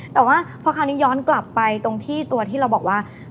แต่ว่าพอคราวนี้ย้อนกลับไปตรงที่ตัวที่เราบอกว่า